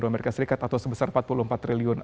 amerika serikat atau sebesar empat puluh empat triliun